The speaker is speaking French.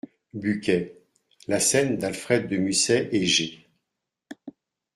Bucquet : la scène d'Alfred de Musset et G.